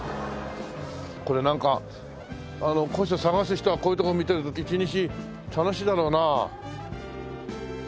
これなんか古書探す人はこういう所見てると一日楽しいだろうな。